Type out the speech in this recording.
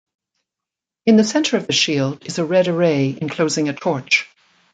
In the center of the shield is a red array enclosing a torch.